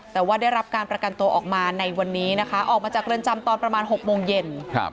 แต่ว่าได้รับการประกันตัวออกมาในวันนี้นะคะออกมาจากเรือนจำตอนประมาณ๖โมงเย็น